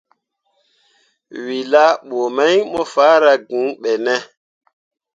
We laa bə mai mo faara gŋ be ne?